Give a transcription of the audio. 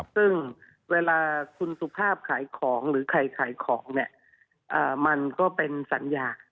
ซึ่งเวลาคุณสุภาพขายของหรือใครขายของเนี่ยมันก็เป็นสัญญา